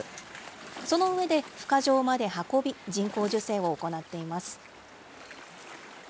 その上でふ化場まで運び、人工授精を行っています。